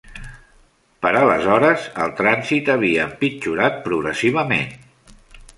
Per aleshores, el trànsit havia empitjorat progressivament.